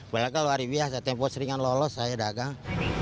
padahal hari biasa tempoh seringan lolos saya dagang